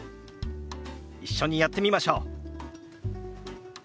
一緒にやってみましょう。